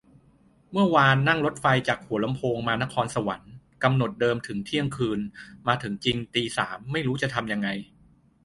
เมื่อวานนั่งรถไฟจากหัวลำโพงมานครสวรรค์ กำหนดเดิมถึงเที่ยงคืน มาถึงจริงตีสาม ไม่รู้จะทำยังไง